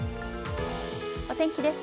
お天気です。